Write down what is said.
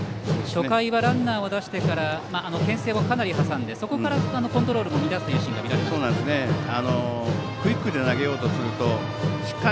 初回はランナーを出してからけん制をかなり挟んでそこからコントロールも乱すというシーンが見られました。